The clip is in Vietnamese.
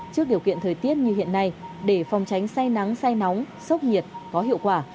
trước điều kiện thời tiết như hiện nay để phòng tránh say nắng say nóng sốc nhiệt có hiệu quả